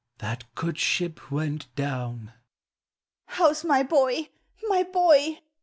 "That good ship went down." u How 's my boy in v bo\